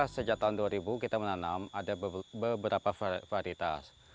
sejak tahun dua ribu kita menanam ada beberapa varietas